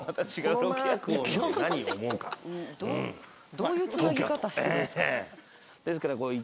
どういうつなぎ方してるんですか。